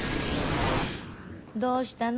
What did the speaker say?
どうしたの？